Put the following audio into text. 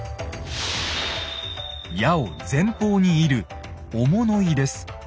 矢を前方に射る「追物射」です。